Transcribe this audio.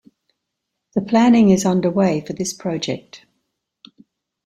The planning is underway for this project.